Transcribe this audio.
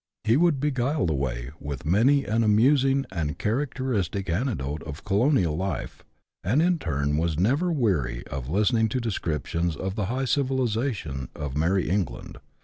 He would beguile the way with many an amusing and charac teristic anecdote of colonial life, and in turn was never weary of listening to descriptions of the high civilization of merry England, 126 BUSH LIFE IN AUSTRALIA. [chap. xii.